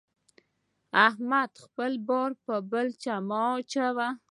احمده! خپل بار پر بل چا مه اچوه.